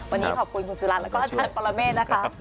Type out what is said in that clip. วันนี้ขอบคุณคุณสุรัสตร์และอาจารย์ปรเมฆ